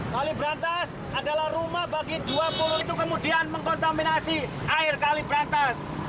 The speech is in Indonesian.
kali berantas adalah rumah bagi dua puluh itu kemudian mengkontaminasi air kali berantas